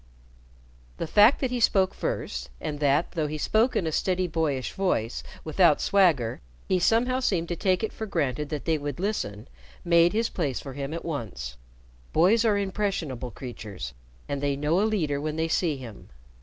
The fact that he spoke first, and that, though he spoke in a steady boyish voice without swagger, he somehow seemed to take it for granted that they would listen, made his place for him at once. Boys are impressionable creatures, and they know a leader when they see him.